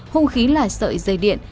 hùng khí là sợi dây điện